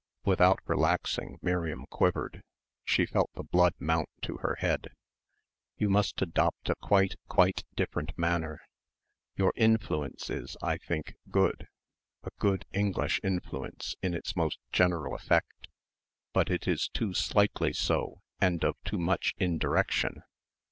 Without relaxing, Miriam quivered. She felt the blood mount to her head. "You must adopt a quite, quite different manner. Your influence is, I think, good, a good English influence in its most general effect. But it is too slightly so and of too much indirection.